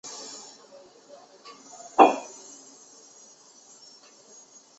小叶蹄盖蕨为蹄盖蕨科蹄盖蕨属下的一个种。